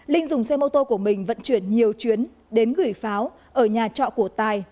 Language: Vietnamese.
linh dùng xe mô tô của mình vận chuyển nhiều chuyến đến gửi pháo ở nhà trọ của tài